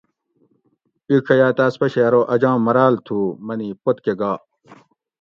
اِیڄہ یاٞ تاٞس پشی ارو اجاں مراٞل تھُو منی پت کٞہ گا